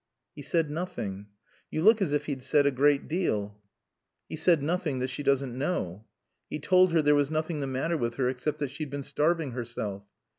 "He said nothing." "You look as if he'd said a great deal." "He said nothing that she doesn't know." "He told her there was nothing the matter with her except that she'd been starving herself."